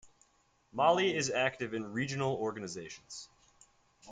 Mali is active in regional organizations.